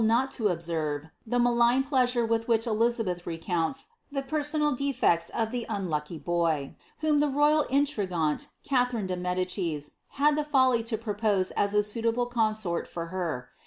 not to ot>6erTe ihe malign pleasure with which I counis ihe personal defects of ihe unlui^ky boy, whom the rowl in Irigiiaiiie, Cstherioe ile Hedicis, had the folly lo propose &s a Kiiitabtr consort for her.